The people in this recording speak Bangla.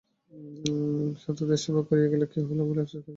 সাধুদের সেবা করিয়া কি হইল বলিয়া আপসোস করিয়াছেন।